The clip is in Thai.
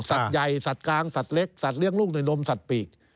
ใหญ่สัตว์กลางสัตว์เล็กสัตว์เลี้ยงลูกในนมสัตว์ปีก